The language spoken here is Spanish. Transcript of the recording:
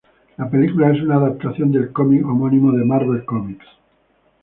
La película es una adaptación del cómic homónimo de Marvel Comics.